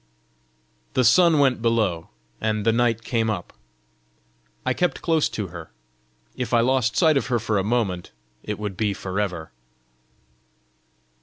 The sun went below, and the night came up. I kept close to her: if I lost sight of her for a moment, it would be for ever!